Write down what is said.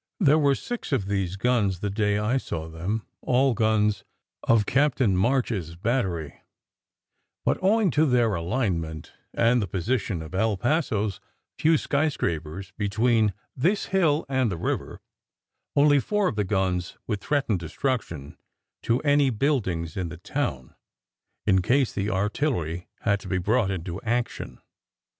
There were six of these guns the day I saw them, all guns of Captain March s battery; but owing to their alignment, and the position of El Paso s few sky scrapers between this hill and the river, only four of the guns would threaten destruction to any buildings in the town, in case the artillery had to be brought into action.